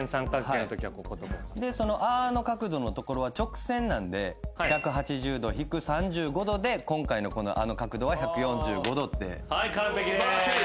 でその「あ」の角度のところは直線なんで１８０度引く３５度で今回の「あ」の角度は１４５度。